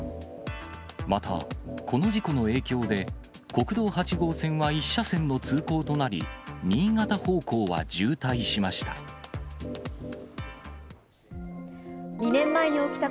また、この事故の影響で、国道８号線は１車線の通行となり、新潟方向は渋滞しました。